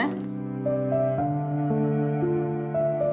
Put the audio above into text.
saya sudah banyak banyak rayonin